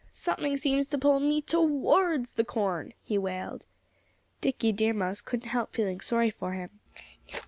"Something seems to pull me towards the corn!" he wailed. Dickie Deer Mouse couldn't help feeling sorry for him.